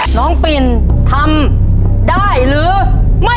ข้างไว้ข้างไว้ข้างไว้